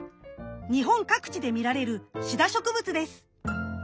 日本各地で見られるシダ植物です。